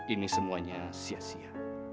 ini semuanya sia sia